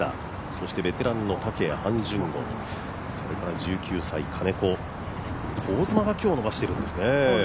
そして、ベテランの竹谷ハン・ジュンゴン１９歳、金子、香妻が今日伸ばしてるんですね。